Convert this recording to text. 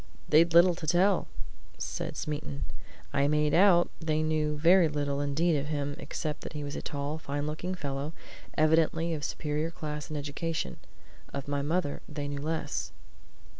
"They'd little to tell," said Smeaton. "I made out they knew very little indeed of him, except that he was a tall, fine looking fellow, evidently of a superior class and education. Of my mother they knew less."